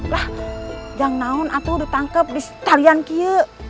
lah janganlah aku ditangkap di talian kia